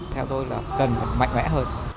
theo tôi là cần mạnh mẽ hơn